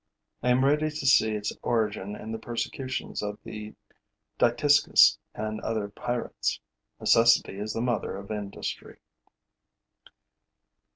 I am ready to see its origin in the persecutions of the Dytiscus and other pirates. Necessity is the mother of industry.